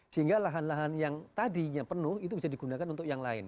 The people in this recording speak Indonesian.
sehingga lahan lahan yang tadinya penuh itu bisa digunakan untuk yang lain